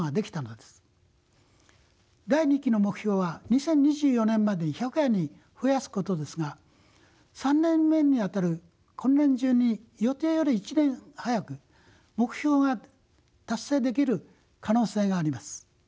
第二期の目標は２０２４年までに１００羽に増やすことですが３年目にあたる今年中に予定より１年早く目標が達成できる可能性があります。